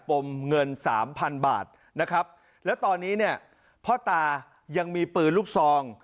มเงินสามพันบาทนะครับแล้วตอนนี้เนี่ยพ่อตายังมีปืนลูกซอง